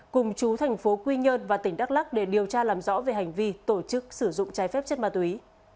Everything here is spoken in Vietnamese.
cùng chú thành phố quy nhơn và tỉnh đắk lắc để điều tra làm rõ về hành vi tổ chức sử dụng trái phép chất ma túy